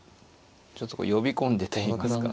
ちょっとこう呼び込んでといいますか。